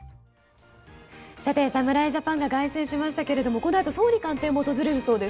侍ジャパンが凱旋しましたけれどもこのあと総理官邸も訪れるそうで